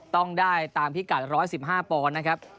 ต้องได้ตามพิกัด๑๑๕ปอนด์นะครับ